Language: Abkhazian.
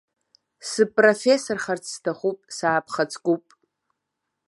Сыпрофессорхарц сҭахуп, саабхаҵкуп.